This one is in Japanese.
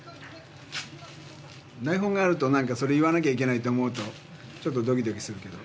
台本があると、なんかそれ、言わないといけないと思うと、ちょっとどきどきするけど。